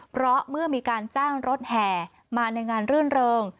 เพราะเมื่อมีการจ้างรถแห่มาในงานรื่นเริง